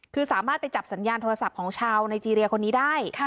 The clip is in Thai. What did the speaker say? คือสามารถไปจับสัญญาณโทรศัพท์ของชาวไนเจรียคนนี้ได้